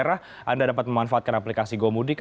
anda dapat memanfaatkan aplikasi gomudik